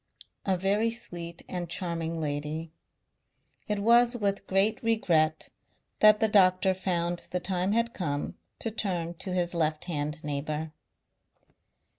A very sweet and charming lady. It was with great regret that the doctor found the time had come to turn to his left hand neighbour.